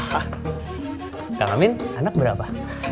kalamin anak berapa